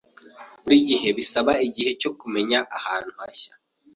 Buri gihe bisaba igihe cyo kumenyera ahantu hashya.